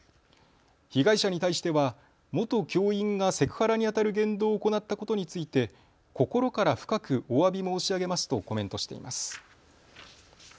被害者に対しては元教員がセクハラにあたる言動を行ったことについて心から深くおわび申し上げますとコメントしています。